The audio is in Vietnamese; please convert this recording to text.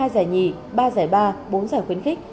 ba giải nhì ba giải ba bốn giải khuyến khích